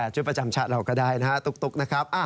ชุดประจำชาติเราก็ได้นะฮะตุ๊กนะครับ